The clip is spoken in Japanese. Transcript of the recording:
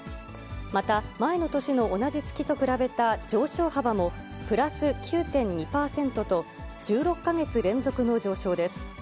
また、前の年の同じ月と比べた上昇幅もプラス９．２％と、１６か月連続の上昇です。